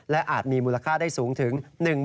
และอาจมีมูลค่าได้สูงถึง